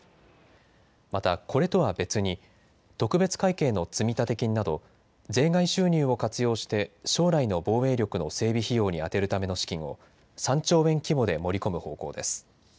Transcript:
また、これとは別に特別会計の積立金など税外収入を活用して将来の防衛力の整備費用に充てるための資金を３兆円規模で盛り込む方向です。